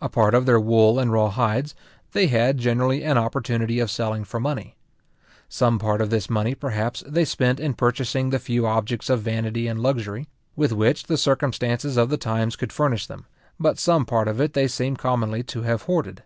A part of their wool and raw hides, they had generally an opportunity of selling for money. Some part of this money, perhaps, they spent in purchasing the few objects of vanity and luxury, with which the circumstances of the times could furnish them; but some part of it they seem commonly to have hoarded.